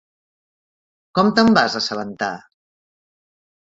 Com te'n vas assabentar?